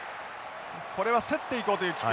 これは競っていこうというキック。